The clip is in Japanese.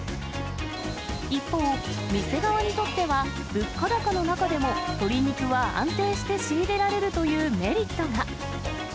一方、店側にとっては、物価高の中でも鶏肉は安定して仕入れられるというメリットが。